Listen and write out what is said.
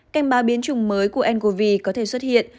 cành ba biến chủng mới của ncov có thể xuất hiện